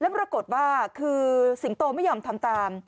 แล้วก็รากฎว่าสิงโตไม่ยอมทำตาม